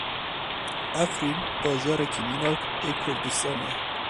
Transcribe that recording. Efrîn bajarekî mînak ê Kurdistanê ye.